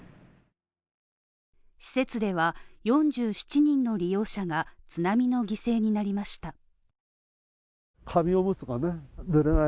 施設では４７人の利用者が津波の犠牲になりました。